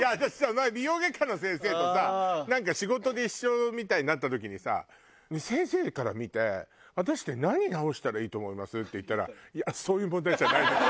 前美容外科の先生とさなんか仕事で一緒みたいになった時にさ「先生から見て私って何直したらいいと思います？」って言ったら「そういう問題じゃないです」。